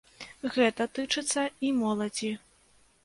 Гэта тычыцца і моладзі.